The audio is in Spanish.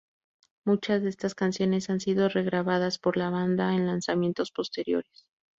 Muchas de estas canciones han sido regrabadas por la banda en lanzamientos posteriores.